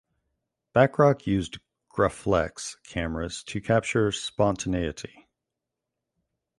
Bachrach used Graflex cameras "to capture spontaneity".